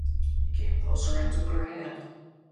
He came closer and took her hand.